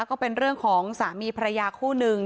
ก็เป็นเรื่องของสามีภรรยาคู่นึง